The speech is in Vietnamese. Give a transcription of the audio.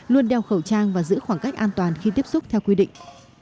luôn đeo khẩu trang và giữ khoảng cách an toàn khi tiếp xúc theo quy định